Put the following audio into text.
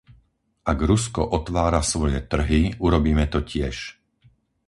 Ak Rusko otvára svoje trhy, urobíme to tiež.